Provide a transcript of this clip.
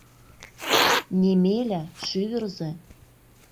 Немеля, шӱвырзӧ.